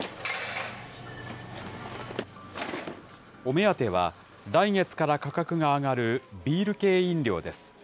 お目当ては、来月から価格が上がるビール系飲料です。